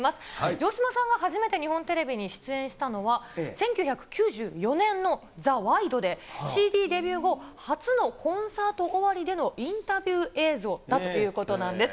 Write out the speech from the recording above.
城島さんが初めて日本テレビに出演したのは、１９９４年のザ・ワイドで、ＣＤデビュー後、初のコンサート終わりでのインタビュー映像だということなんです。